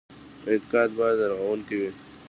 انتقاد باید رغونکی وي